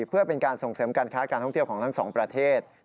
เพื่อเป็นการส่งเสริมการค้าการท่องเที่ยวของทั้งสองประเทศ